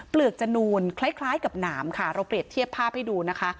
กจนูนคล้ายกับหนามค่ะเราเปรียบเทียบภาพให้ดูนะคะ